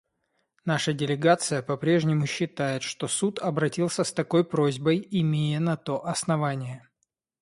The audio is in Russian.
Наша делегация попрежнему считает, что Суд обратился с такой просьбой, имея на то основания.